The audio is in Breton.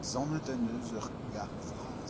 Sammet en deus ur garg vras.